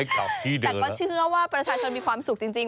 แต่ก็เชื่อว่าประชาชนมีความสุขจริง